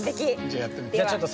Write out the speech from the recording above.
じゃあやってみて下さい。